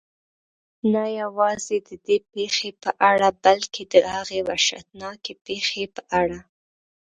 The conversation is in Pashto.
نه یوازې ددې پېښې په اړه بلکې د هغې وحشتناکې پېښې په اړه.